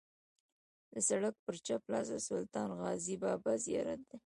د سړک پر چپ لاس د سلطان غازي بابا زیارت دی.